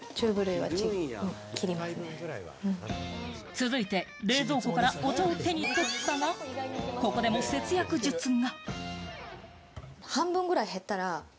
続いて冷蔵庫からお茶を手に取ったが、ここでも節約術が。